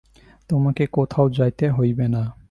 তোমাকে কোথাও যাইতে হইবে না।